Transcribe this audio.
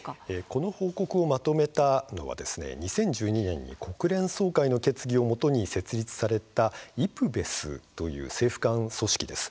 この報告をまとめたのは２０１２年に国連総会の決議を基に設立されたＩＰＢＥＳという政府間組織です。